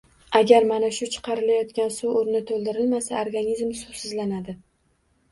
Agar mana shu chiqarilayotgan suv o‘rni to‘ldirilmasa, organizm suvsizlanadi.